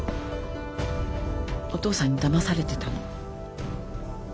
お父さんにだまされてたの。